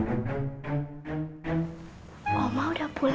apa bareng dial disini